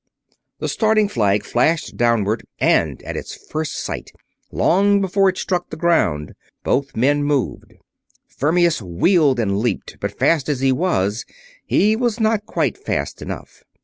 The starting flag flashed downward; and at its first sight, long before it struck the ground, both men moved. Fermius whirled and leaped; but, fast as he was, he was not quite fast enough.